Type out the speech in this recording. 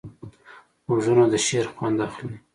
غوږونه د شعر خوند اخلي